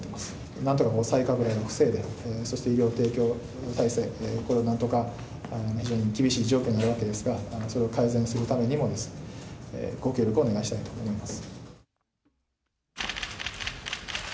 なんとか再拡大を防いで、そして医療提供体制、これをなんとか、非常に厳しい状況にあるわけですが、それを改善するためにも、ご協力をお願いしたいと思います。